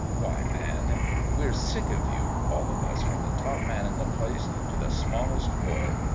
Why, man, we're sick of you, all of us from the top man in the place to the smallest boy.